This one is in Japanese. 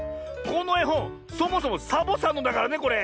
このえほんそもそもサボさんのだからねこれ。